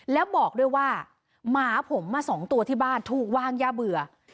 แล้วบอกด้วยว่าหมาผมมา๒ตัวที่บ้านถูกวางยาเบื่อ